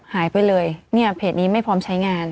หายไปเลยเนี่ยเพจนี้ไม่พร้อมใช้งาน